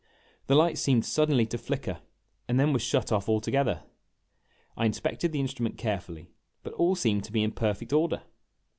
The light seemed suddenly to flicker, and then was shut off altogether. I inspected the instrument carefully, but all seemed to be in perfect order.